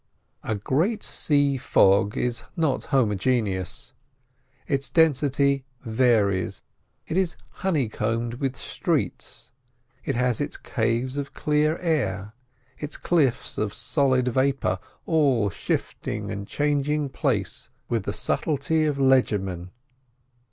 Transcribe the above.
A great sea fog is not homogeneous—its density varies: it is honeycombed with streets, it has its caves of clear air, its cliffs of solid vapour, all shifting and changing place with the subtlety of legerdemain.